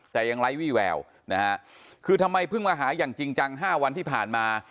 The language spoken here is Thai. แต่ยังไร้วี่แววนะฮะคือทำไมเพิ่งมาหาอย่างจริงจัง๕วันที่ผ่านมา